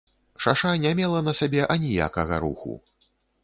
Шаша не мела на сабе аніякага руху.